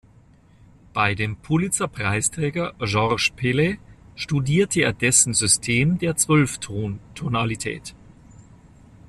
Bei dem Pulitzerpreisträger George Perle studierte er dessen System der Zwölfton-Tonalität.